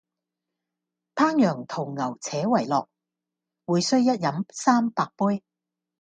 烹羊宰牛且為樂，會須一飲三百杯！